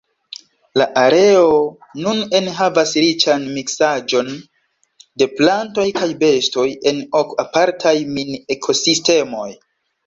La areo nun enhavas riĉan miksaĵon de plantoj kaj bestoj en ok apartaj mini-ekosistemoj.